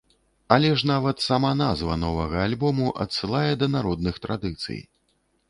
Але ж нават сама назва новага альбому адсылае да народных традыцый.